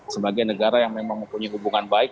sebagai negara yang memang mempunyai hubungan baik